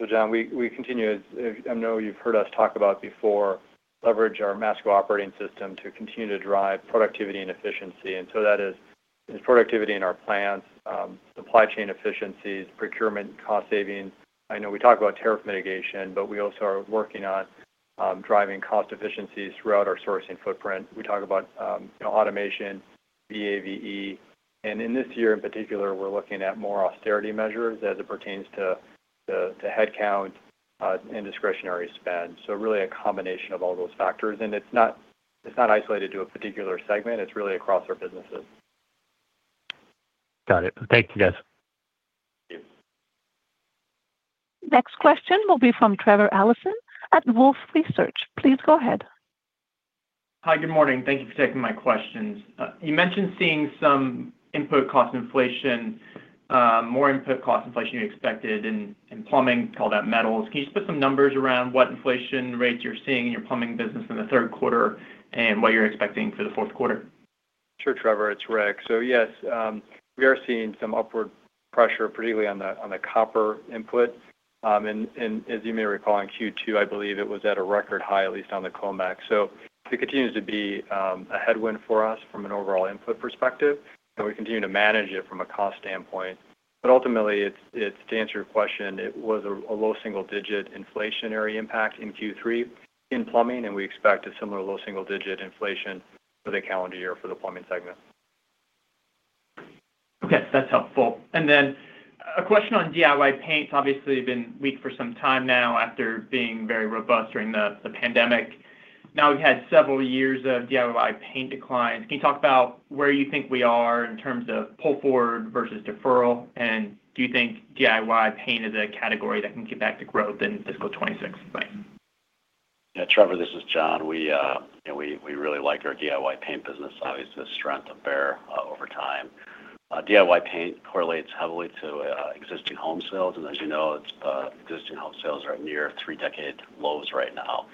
Yeah. John, we continue, as I know you've heard us talk about before, to leverage our Masco operating system to continue to drive productivity and efficiency. That is productivity in our plants, supply chain efficiencies, procurement cost savings. I know we talk about tariff mitigation, but we also are working on driving cost efficiencies throughout our sourcing footprint. We talk about, you know, automation, BAVE. This year in particular, we're looking at more austerity measures as it pertains to headcount and discretionary spend. Really a combination of all those factors. It's not isolated to a particular segment. It's really across our businesses. Got it. Thank you, guys. Thank you. Next question will be from Trevor Allison at Wolfe Research. Please go ahead. Hi, good morning. Thank you for taking my questions. You mentioned seeing some input cost inflation, more input cost inflation you expected in plumbing, called out metals. Can you just put some numbers around what inflation rates you're seeing in your plumbing business in the third quarter and what you're expecting for the fourth quarter? Sure, Trevor. It's Rick. Yes, we are seeing some upward pressure, particularly on the copper input. As you may recall, in Q2, I believe it was at a record high, at least on the COMEX. It continues to be a headwind for us from an overall input perspective. We continue to manage it from a cost standpoint. Ultimately, to answer your question, it was a low single-digit inflationary impact in Q3 in plumbing, and we expect a similar low single-digit inflation for the calendar year for the plumbing segment. Okay, that's helpful. A question on DIY paint. Obviously, we've been weak for some time now after being very robust during the pandemic. Now we've had several years of DIY paint declines. Can you talk about where you think we are in terms of pull forward versus deferral? Do you think DIY paint is a category that can get back to growth in fiscal 2026? Thanks. Yeah, Trevor, this is Jon. We really like our DIY paint business. Obviously, the strength of Behr over time. DIY paint correlates heavily to existing home sales. As you know, existing home sales are at near three-decade lows right now.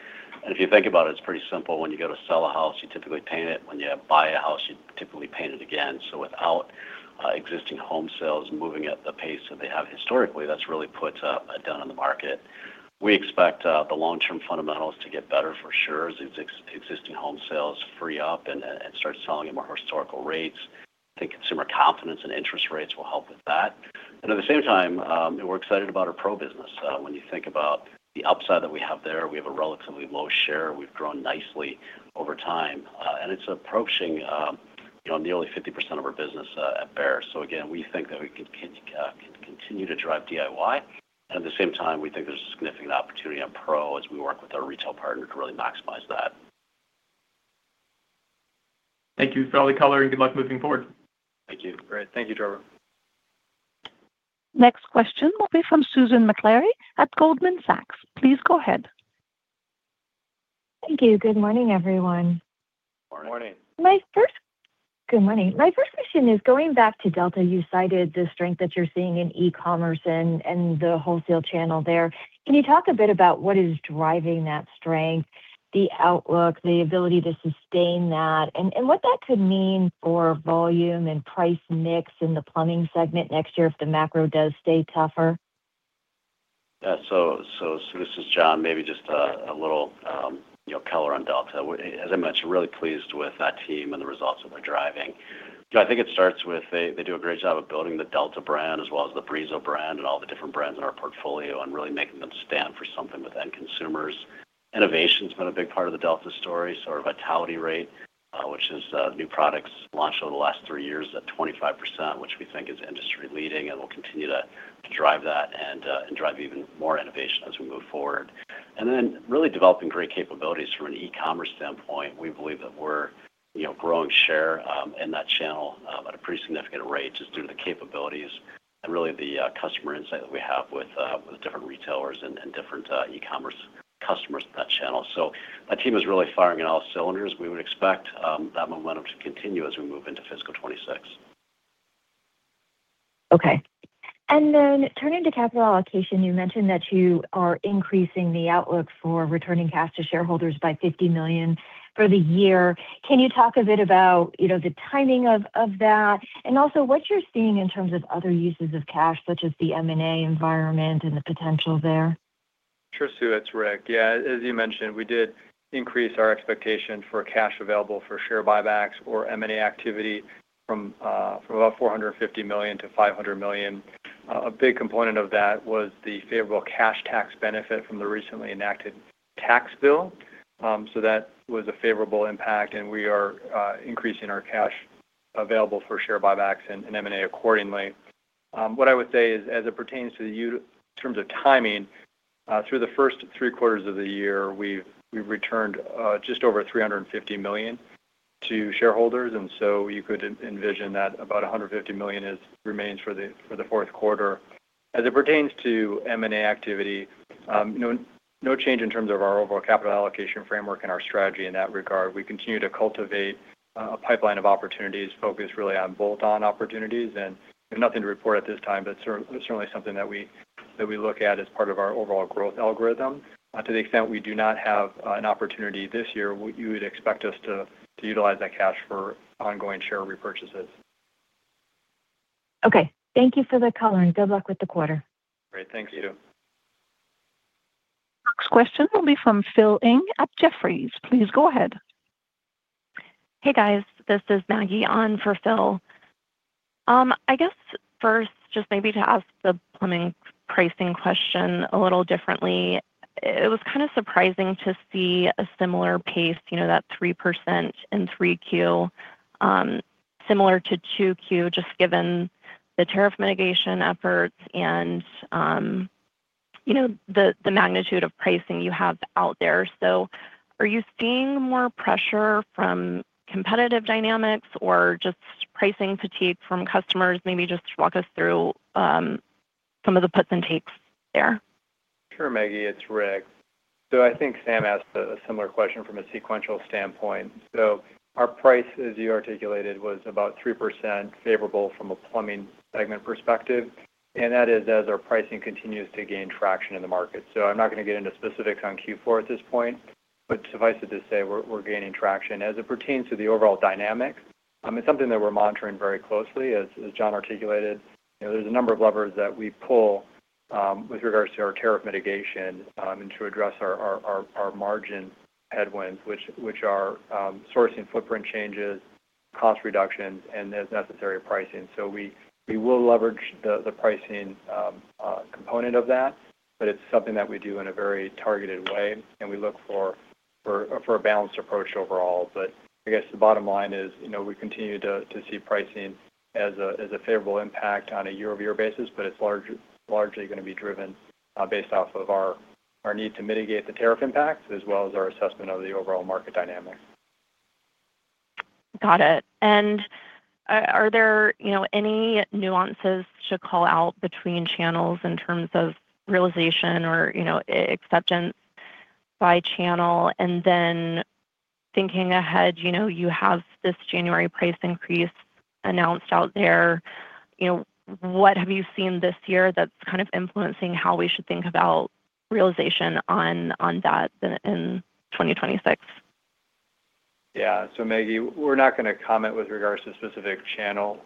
If you think about it, it's pretty simple. When you go to sell a house, you typically paint it. When you buy a house, you typically paint it again. Without existing home sales moving at the pace that they have historically, that's really put a dent in the market. We expect the long-term fundamentals to get better for sure as existing home sales free up and start selling at more historical rates. I think consumer confidence and interest rates will help with that. At the same time, we're excited about our pro business. When you think about the upside that we have there, we have a relatively low share. We've grown nicely over time, and it's approaching nearly 50% of our business at Behr. Again, we think that we can continue to drive DIY. At the same time, we think there's a significant opportunity on pro as we work with our retail partner to really maximize that. Thank you for all the color, and good luck moving forward. Thank you. Great. Thank you, Trevor. Next question will be from Susan McClary at Goldman Sachs. Please go ahead. Thank you. Good morning, everyone. Morning. Good morning. My first question is going back to Delta. You cited the strength that you're seeing in e-commerce and the wholesale channel there. Can you talk a bit about what is driving that strength, the outlook, the ability to sustain that, and what that could mean for volume and price mix in the plumbing segment next year if the macro does stay tougher? Yeah. This is Jon. Maybe just a little color on Delta. As I mentioned, really pleased with that team and the results that they're driving. I think it starts with they do a great job of building the Delta brand as well as the Brizo brand and all the different brands in our portfolio and really making them stand for something with end consumers. Innovation has been a big part of the Delta story, so our vitality rate, which is new products launched over the last three years, is at 25%, which we think is industry leading and will continue to drive that and drive even more innovation as we move forward. Really developing great capabilities from an e-commerce standpoint. We believe that we're growing share in that channel at a pretty significant rate just due to the capabilities and really the customer insight that we have with different retailers and different e-commerce customers in that channel. That team is really firing on all cylinders. We would expect that momentum to continue as we move into fiscal 2026. Okay. Turning to capital allocation, you mentioned that you are increasing the outlook for returning cash to shareholders by $50 million for the year. Can you talk a bit about the timing of that? Also, what you're seeing in terms of other uses of cash, such as the M&A environment and the potential there? Sure, Sue. It's Rick. Yeah, as you mentioned, we did increase our expectation for cash available for share buybacks or M&A activity from about $450 million-$500 million. A big component of that was the favorable cash tax benefit from the recently enacted tax bill. That was a favorable impact, and we are increasing our cash available for share buybacks and M&A accordingly. What I would say is, as it pertains to the terms of timing, through the first three quarters of the year, we've returned just over $350 million to shareholders, so you could envision that about $150 million remains for the fourth quarter. As it pertains to M&A activity, no change in terms of our overall capital allocation framework and our strategy in that regard. We continue to cultivate a pipeline of opportunities focused really on bolt-on opportunities. There's nothing to report at this time, but it's certainly something that we look at as part of our overall growth algorithm. To the extent we do not have an opportunity this year, you would expect us to utilize that cash for ongoing share repurchases. Okay, thank you for the color and good luck with the quarter. Great. Thanks to you. Next question will be from Phil Ng at Jefferies. Please go ahead. Hey, guys. This is Maggie on for Phil. I guess first, just maybe to ask the plumbing pricing question a little differently, it was kind of surprising to see a similar pace, you know, that 3% in 3Q, similar to 2Q, just given the tariff mitigation efforts and the magnitude of pricing you have out there. Are you seeing more pressure from competitive dynamics or just pricing fatigue from customers? Maybe just walk us through some of the puts and takes there. Sure, Maggie. It's Rick. I think Sam asked a similar question from a sequential standpoint. Our price, as you articulated, was about 3% favorable from a plumbing segment perspective, and that is as our pricing continues to gain traction in the market. I'm not going to get into specifics on Q4 at this point. Suffice it to say, we're gaining traction. As it pertains to the overall dynamics, it's something that we're monitoring very closely. As Jon articulated, there's a number of levers that we pull with regards to our tariff mitigation and to address our margin headwinds, which are sourcing footprint changes, cost reductions, and, as necessary, pricing. We will leverage the pricing component of that, but it's something that we do in a very targeted way, and we look for a balanced approach overall. I guess the bottom line is, we continue to see pricing as a favorable impact on a year-over-year basis, but it's largely going to be driven based off of our need to mitigate the tariff impacts as well as our assessment of the overall market dynamics. Got it. Are there any nuances to call out between channels in terms of realization or acceptance by channel? Thinking ahead, you have this January price increase announced out there. What have you seen this year that's kind of influencing how we should think about realization on that in 2026? Yeah. Maggie, we're not going to comment with regards to specific channel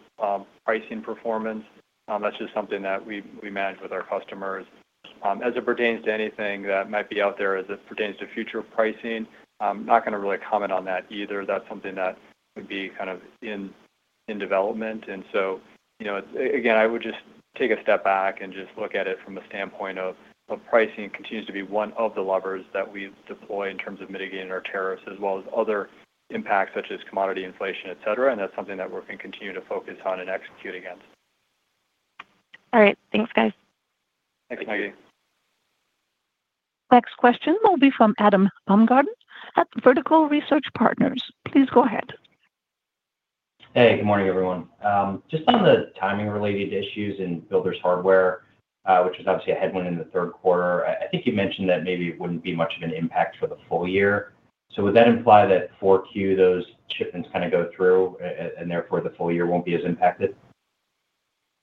pricing performance. That's just something that we manage with our customers. As it pertains to anything that might be out there, as it pertains to future pricing, I'm not going to really comment on that either. That's something that would be in development. I would just take a step back and look at it from a standpoint of pricing continues to be one of the levers that we deploy in terms of mitigating our tariffs as well as other impacts such as commodity inflation, etc. That's something that we're going to continue to focus on and execute against. All right. Thanks, guys. Thanks, Maggie. Next question will be from Adam Baumgarten at Vertical Research Partners. Please go ahead. Hey, good morning, everyone. Just on the timing-related issues in builders' hardware, which was obviously a headwind in the third quarter, I think you mentioned that maybe it wouldn't be much of an impact for the full year. Would that imply that 4Q, those shipments kind of go through and therefore the full year won't be as impacted?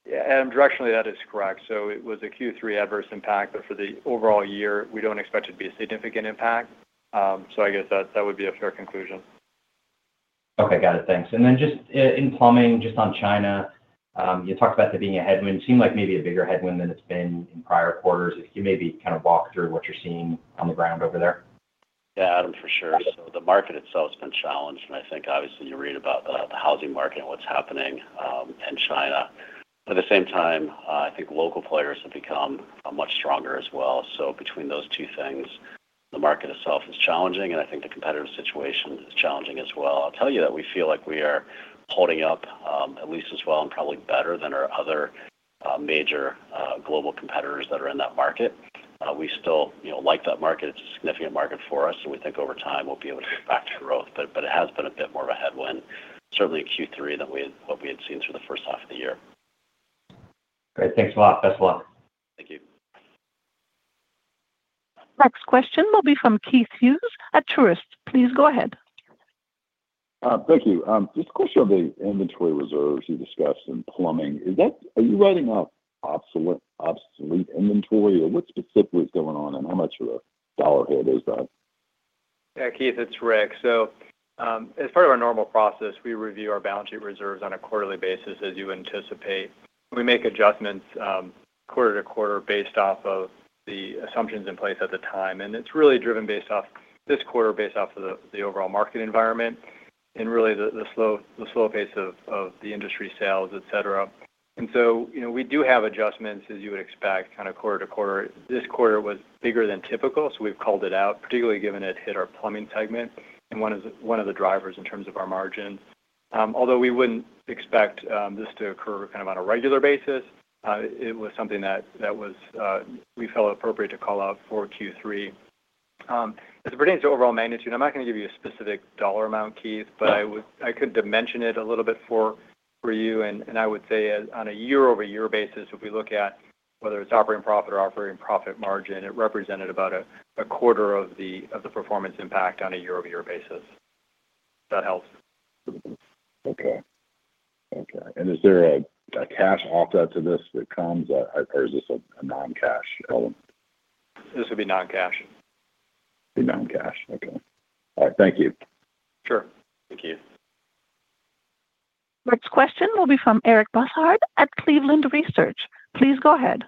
Yeah, Adam, directionally, that is correct. It was a Q3 adverse impact, but for the overall year, we don't expect it to be a significant impact. I guess that would be a fair conclusion. Okay, got it. Thanks. In plumbing, just on China, you talked about there being a headwind. It seemed like maybe a bigger headwind than it's been in prior quarters. If you maybe kind of walk through what you're seeing on the ground over there. Yeah, Adam, for sure. The market itself has been challenged. I think obviously when you read about the housing market and what's happening in China. At the same time, I think local players have become much stronger as well. Between those two things, the market itself is challenging. I think the competitive situation is challenging as well. I'll tell you that we feel like we are holding up at least as well and probably better than our other major global competitors that are in that market. We still like that market. It's a significant market for us. We think over time we'll be able to get back to growth. It has been a bit more of a headwind, certainly in Q3 than what we had seen through the first half of the year. Great. Thanks a lot. Best of luck. Thank you. Next question will be from Keith Hughes at Truist. Please go ahead. Thank you. Just a question on the inventory reserves you discussed in plumbing. Are you writing up obsolete inventory? What specifically is going on, and how much of a dollar hit is that? Yeah, Keith, it's Rick. As part of our normal process, we review our balance sheet reserves on a quarterly basis, as you anticipate. We make adjustments quarter-to-quarter based off of the assumptions in place at the time. It's really driven based off this quarter, based off of the overall market environment and really the slow pace of the industry sales, etc. We do have adjustments, as you would expect, kind of quarter-to-quarter. This quarter was bigger than typical. We've called it out, particularly given it hit our plumbing segment and one of the drivers in terms of our margins. Although we wouldn't expect this to occur kind of on a regular basis, it was something that we felt appropriate to call out for Q3. As it pertains to overall magnitude, I'm not going to give you a specific dollar amount, Keith, but I could dimension it a little bit for you. I would say on a year-over-year basis, if we look at whether it's operating profit or operating profit margin, it represented about a quarter of the performance impact on a year-over-year basis. That helps. Okay. Is there a cash offset to this that comes, or is this a non-cash element? This would be non-cash. Be non-cash. Okay. All right. Thank you. Sure. Thank you. Next question will be from Eric Bussard at Cleveland Research. Please go ahead.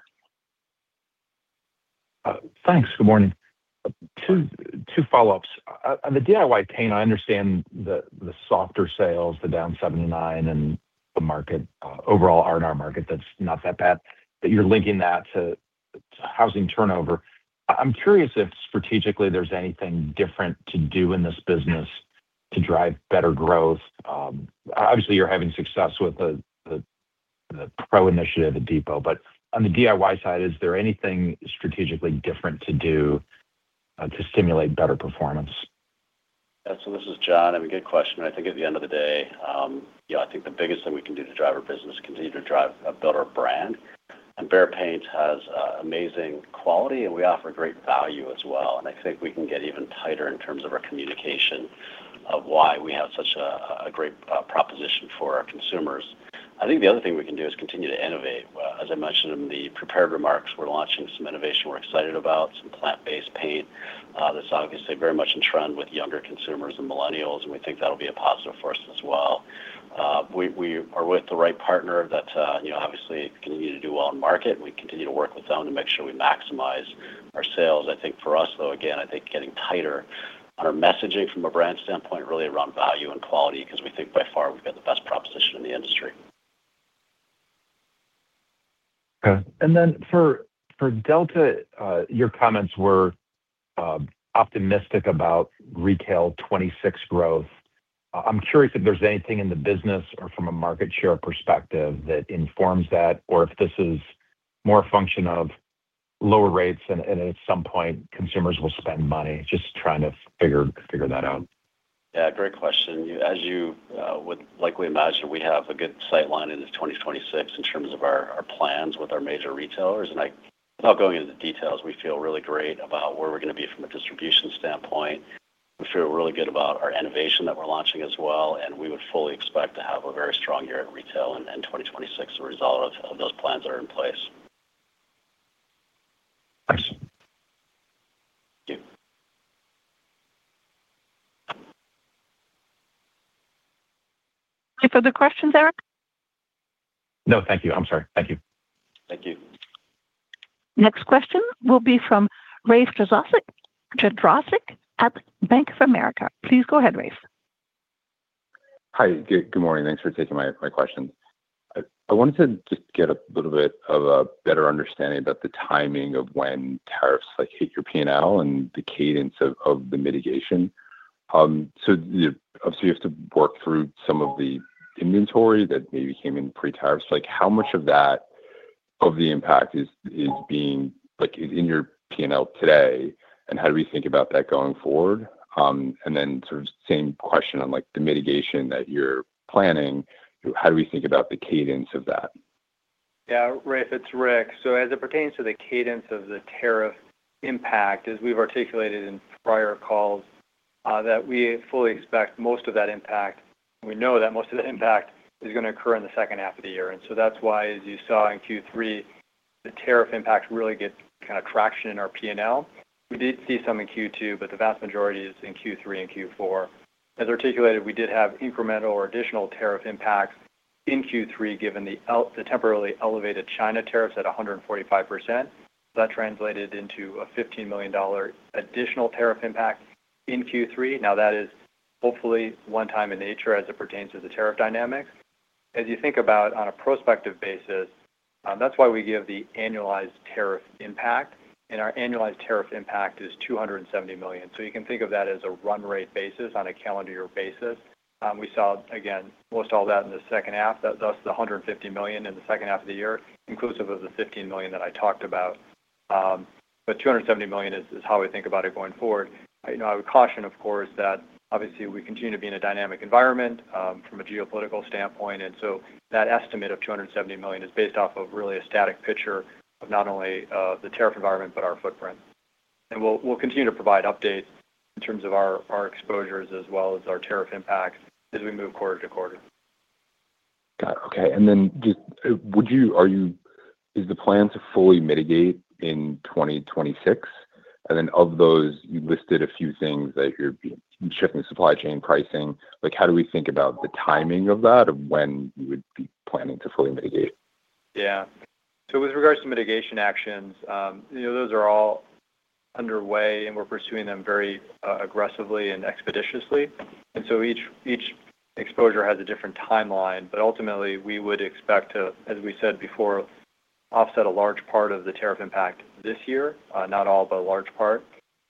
Thanks. Good morning. Two follow-ups. On the DIY paint, I understand the softer sales, the down 7%-9%, and the market overall R&R market that's not that bad, that you're linking that to housing turnover. I'm curious if strategically there's anything different to do in this business to drive better growth. Obviously, you're having success with the pro initiative at Depot. On the DIY side, is there anything strategically different to do to stimulate better performance? Yeah, this is Jon. I have a good question. I think at the end of the day, the biggest thing we can do to drive our business is continue to drive a builder brand. Behr Paint has amazing quality, and we offer great value as well. I think we can get even tighter in terms of our communication of why we have such a great proposition for our consumers. The other thing we can do is continue to innovate. As I mentioned in the prepared remarks, we're launching some innovation we're excited about, some plant-based paint that's obviously very much in trend with younger consumers and millennials. We think that'll be a positive for us as well. We are with the right partner that obviously continues to do well in the market, and we continue to work with them to make sure we maximize our sales. For us, though, getting tighter on our messaging from a brand standpoint really around value and quality, because we think by far we've got the best proposition in the industry. Okay. For Delta Faucet, your comments were optimistic about retail 2026 growth. I'm curious if there's anything in the business or from a market share perspective that informs that, or if this is more a function of lower rates and at some point consumers will spend money. Just trying to figure that out. Yeah, great question. As you would likely imagine, we have a good sight line into 2026 in terms of our plans with our major retailers. Without going into the details, we feel really great about where we're going to be from a distribution standpoint. We feel really good about our innovation that we're launching as well. We would fully expect to have a very strong year at retail in 2026 as a result of those plans that are in place. Thanks. Thank you. Any further questions, Eric? No, thank you. Thank you. Thank you. Next question will be from Rafe Jadrosich at Bank of America. Please go ahead, Rafe. Hi. Good morning. Thanks for taking my questions. I wanted to just get a little bit of a better understanding about the timing of when tariffs hit your P&L and the cadence of the mitigation. Obviously, you have to work through some of the inventory that maybe came in pre-tariffs. How much of that impact is being in your P&L today? How do we think about that going forward? Sort of same question on the mitigation that you're planning. How do we think about the cadence of that? Yeah, Rafe, it's Rick. As it pertains to the cadence of the tariff impact, as we've articulated in prior calls, we fully expect most of that impact. We know that most of that impact is going to occur in the second half of the year. That's why, as you saw in Q3, the tariff impacts really get kind of traction in our P&L. We did see some in Q2, but the vast majority is in Q3 and Q4. As articulated, we did have incremental or additional tariff impacts in Q3, given the temporarily elevated China tariffs at 145%. That translated into a $15 million additional tariff impact in Q3. Now that is hopefully one-time in nature as it pertains to the tariff dynamics. As you think about on a prospective basis, that's why we give the annualized tariff impact. Our annualized tariff impact is $270 million. You can think of that as a run-rate basis on a calendar-year basis. We saw, again, almost all that in the second half, thus the $150 million in the second half of the year, inclusive of the $15 million that I talked about. $270 million is how we think about it going forward. I would caution, of course, that obviously we continue to be in a dynamic environment from a geopolitical standpoint. That estimate of $270 million is based off of really a static picture of not only the tariff environment, but our footprint. We'll continue to provide updates in terms of our exposures as well as our tariff impacts as we move quarter-to-quarter. Got it. Okay. Is the plan to fully mitigate in 2026? Of those, you listed a few things that you're shifting, supply chain, pricing. How do we think about the timing of that, of when you would be planning to fully mitigate? Yeah. With regards to mitigation actions, those are all underway and we're pursuing them very aggressively and expeditiously. Each exposure has a different timeline. Ultimately, we would expect to, as we said before, offset a large part of the tariff impact this year, not all, but a large part.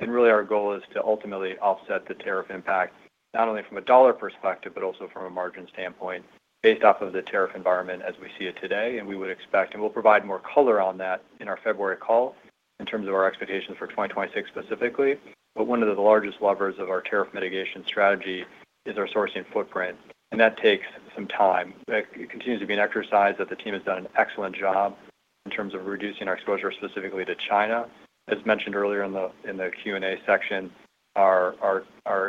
Our goal is to ultimately offset the tariff impact, not only from a dollar perspective, but also from a margin standpoint, based off of the tariff environment as we see it today. We would expect, and we'll provide more color on that in our February call in terms of our expectations for 2026 specifically. One of the largest levers of our tariff mitigation strategy is our sourcing footprint, and that takes some time. It continues to be an exercise that the team has done an excellent job in terms of reducing our exposure specifically to China. As mentioned earlier in the Q&A section, our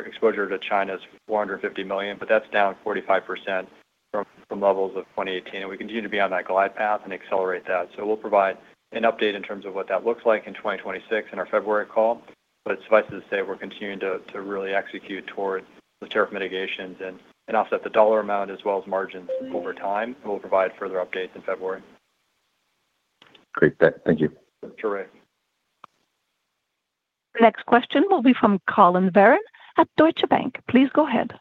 exposure to China is $450 million, but that's down 45% from levels of 2018. We continue to be on that glide path and accelerate that. We'll provide an update in terms of what that looks like in 2026 in our February call. Suffice it to say, we're continuing to really execute toward the tariff mitigations and offset the dollar amount as well as margins over time. We'll provide further updates in February. Great. Thank you. Sure, Rafe. Next question will be from Collin Varren at Deutsche Bank. Please go ahead.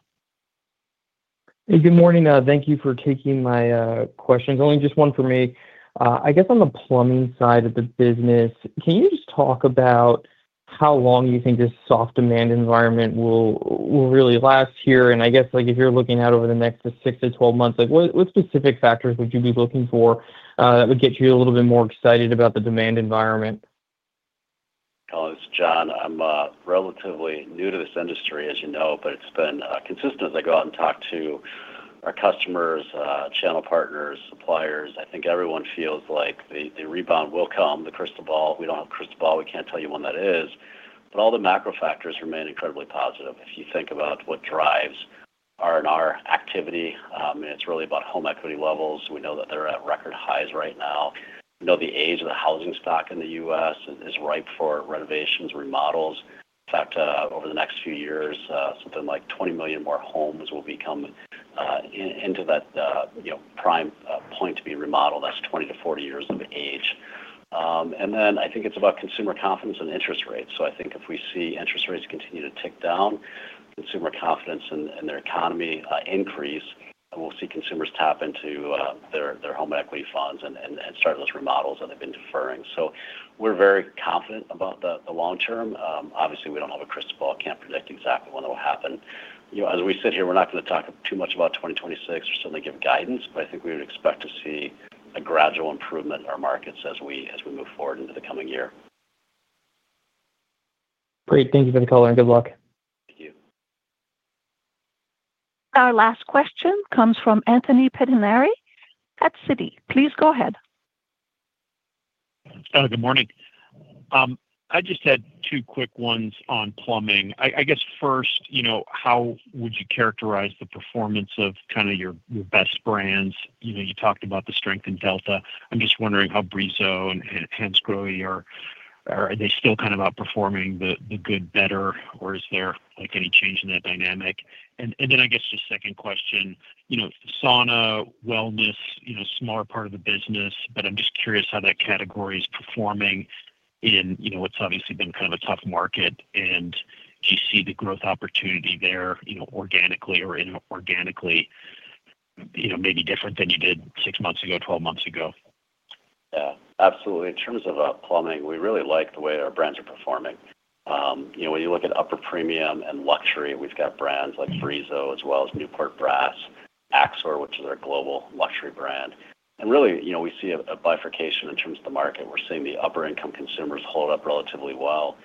Hey, good morning. Thank you for taking my questions. Only just one for me. I guess on the plumbing side of the business, can you just talk about how long you think this soft demand environment will really last here? If you're looking out over the next 6-12 months, what specific factors would you be looking for that would get you a little bit more excited about the demand environment? Oh, this is Jon. I'm relatively new to this industry, as you know, but it's been consistent as I go out and talk to our customers, channel partners, suppliers. I think everyone feels like the rebound will come. The crystal ball, we don't have a crystal ball. We can't tell you when that is. All the macro factors remain incredibly positive. If you think about what drives R&R activity, it's really about home equity levels. We know that they're at record highs right now. We know the age of the housing stock in the U.S. is ripe for renovations, remodels. In fact, over the next few years, something like 20 million more homes will become into that prime point to be remodeled. That's 20-40 years of age. I think it's about consumer confidence and interest rates. I think if we see interest rates continue to tick down, consumer confidence in the economy increase, we'll see consumers tap into their home equity funds and start those remodels that they've been deferring. We're very confident about the long term. Obviously, we don't have a crystal ball. I can't predict exactly when that will happen. As we sit here, we're not going to talk too much about 2026 or certainly give guidance, but I think we would expect to see a gradual improvement in our markets as we move forward into the coming year. Great. Thank you for the call and good luck. Thank you. Our last question comes from Anthony Pettinari at Citi. Please go ahead. Oh, good morning. I just had two quick ones on plumbing. I guess first, you know, how would you characterize the performance of kind of your best brands? You know, you talked about the strength in Delta. I'm just wondering how Brizo and Hansgrohe, are they still kind of outperforming the good, better, or is there like any change in that dynamic? I guess just second question, you know, sauna, wellness, you know, a smart part of the business, but I'm just curious how that category is performing in, you know, what's obviously been kind of a tough market. Do you see the growth opportunity there, you know, organically or inorganically, you know, maybe different than you did 6 months ago, 12 months ago? Yeah, absolutely. In terms of plumbing, we really like the way our brands are performing. You know, when you look at upper premium and luxury, we've got brands like Brizo as well as Newport Brass, Axor, which is our global luxury brand. We see a bifurcation in terms of the market. We're seeing the upper-income consumers hold up relatively well.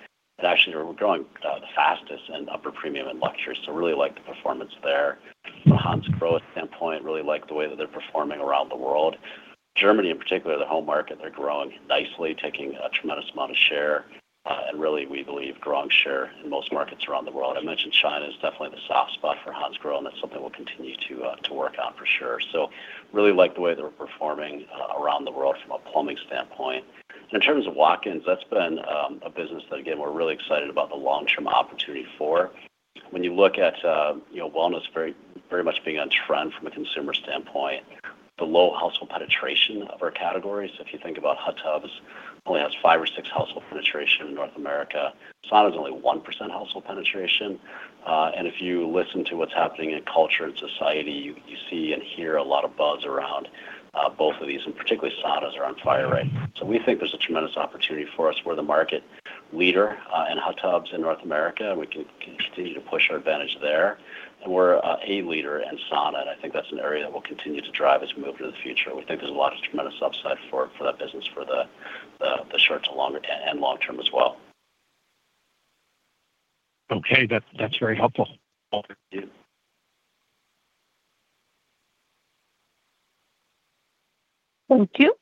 Actually, we're growing the fastest in upper premium and luxury. Really like the performance there. From Hansgrohe standpoint, really like the way that they're performing around the world. Germany, in particular, their home market, they're growing nicely, taking a tremendous amount of share. We believe growing share in most markets around the world. I mentioned China is definitely the soft spot for Hansgrohe, and that's something we'll continue to work on for sure. Really like the way they're performing around the world from a plumbing standpoint. In terms of walk-ins, that's been a business that, again, we're really excited about the long-term opportunity for. When you look at wellness, very much being on trend from a consumer standpoint, the low household penetration of our categories. If you think about hot tubs, only has 5% or 6% household penetration in North America. Sauna has only 1% household penetration. If you listen to what's happening in culture and society, you see and hear a lot of buzz around both of these, and particularly saunas around fire rate. We think there's a tremendous opportunity for us. We're the market leader in hot tubs in North America, and we can continue to push our advantage there. We're a leader in sauna, and I think that's an area that we'll continue to drive as we move into the future. We think there's a lot of tremendous upside for that business for the short to long and long term as well. Okay, that's very helpful. Thank you. Thank you.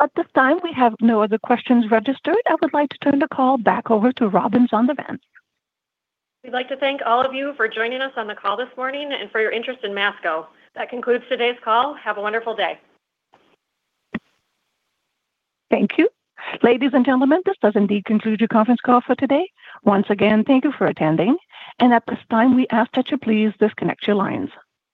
At this time, we have no other questions registered. I would like to turn the call back over to Robin Zondervan. We'd like to thank all of you for joining us on the call this morning and for your interest in Masco. That concludes today's call. Have a wonderful day. Thank you. Ladies and gentlemen, this does indeed conclude your conference call for today. Once again, thank you for attending. At this time, we ask that you please disconnect your lines.